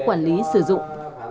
quản lý sử dụng